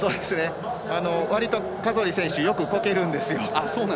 わりとカゾリ選手よくこけるんですよ。